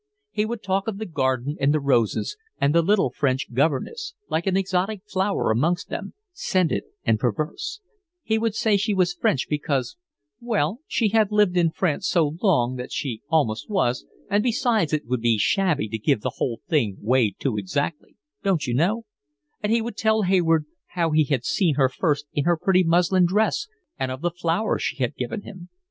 He would talk of the garden and the roses, and the little French governess, like an exotic flower amongst them, scented and perverse: he would say she was French, because—well, she had lived in France so long that she almost was, and besides it would be shabby to give the whole thing away too exactly, don't you know; and he would tell Hayward how he had seen her first in her pretty muslin dress and of the flower she had given him.